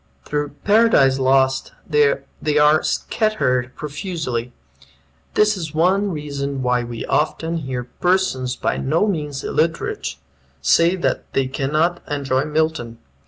Through "Paradise Lost" they are scattered profusely. This is one reason why we often hear persons by no means illiterate say that they cannot enjoy Milton.